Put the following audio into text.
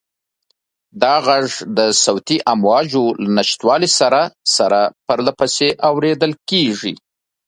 دا غږ د صوتي امواجو له نشتوالي سره سره پرله پسې اورېدل کېږي.